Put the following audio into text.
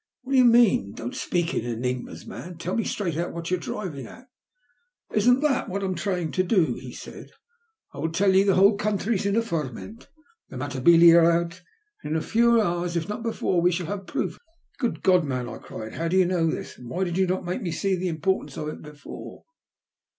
" What do you mean ? Don't speak in enigmas, man. Tell me straight out what you are driving at." " Isn't that what I'm trying to do ?" he said. *' I tell ye the whole country's in a ferment. The Matabele are out, and in a few hours, if not before, we shall have proof of it." " Good God, man !" I cried, " how do you know this ? And why did you not make me see the import ance of it before